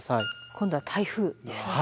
今度は台風ですね。